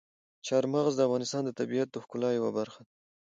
چار مغز د افغانستان د طبیعت د ښکلا یوه برخه ده.